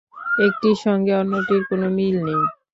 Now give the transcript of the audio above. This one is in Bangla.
একটির সঙ্গে অন্যটির কোনো মিল নেই।